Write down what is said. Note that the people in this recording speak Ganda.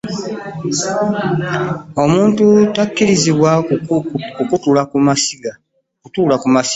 Omuntu ttakirizibwa kutuula ku masiga.